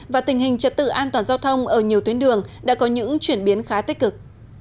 và tình hình trật tự an toàn giao thông ở nhiều tuyến đường đã có những chuyển biến khá tích cực